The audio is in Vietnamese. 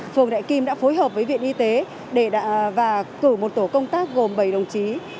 phường đại kim đã phối hợp với viện y tế và cử một tổ công tác gồm bảy đồng chí